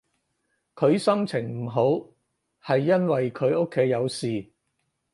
佢心情唔好係因為佢屋企有事